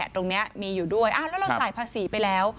ตรงนี้มีอยู่ด้วยแล้วเราจ่ายภาษีไปแล้ว